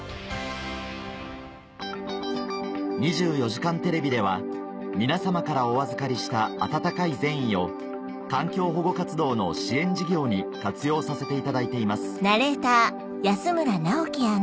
『２４時間テレビ』では皆様からお預かりした温かい善意を環境保護活動の支援事業に活用させていただいています